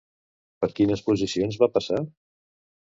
Per quines posicions va passar?